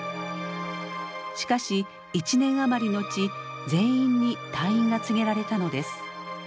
しかし１年余り後全員に退院が告げられたのです。